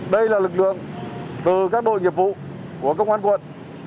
đây là lực lượng từ các đội nghiệp vụ của công an quận